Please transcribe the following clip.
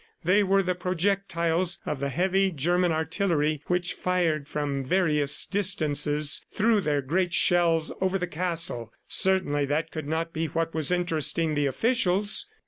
They were the projectiles of the heavy German artillery which, fired from various distances, threw their great shells over the castle. Certainly that could not be what was interesting the officials!